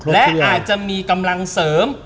และอาจจะมีกำลังเสริม